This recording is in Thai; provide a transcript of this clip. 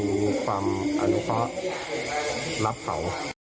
มีความอนุเคาะรับเขา